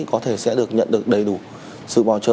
có thể sẽ được nhận được đầy đủ sự bảo trợ